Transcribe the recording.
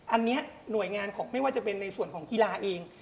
อันนี้หน่วยงานของไม่ว่าจะเป็นในส่วนของกีฬาเอง